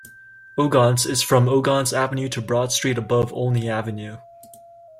Ogontz is "from Ogontz Avenue to Broad Street above Olney Avenue".